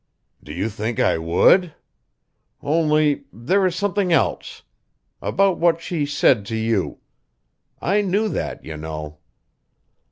"Do you think I would? Only there is something else. About what she said to you. I knew that, you know."